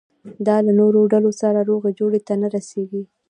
دا له نورو ډلو سره روغې جوړې ته نه رسېږي.